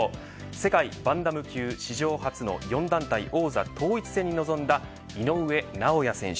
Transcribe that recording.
世界バンタム級、史上初の４団体王座統一戦に臨んだ井上尚弥選手。